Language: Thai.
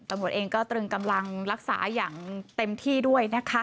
ตำรวจเองก็ตรึงกำลังรักษาอย่างเต็มที่ด้วยนะคะ